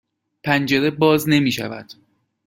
پنجره باز نمی شود.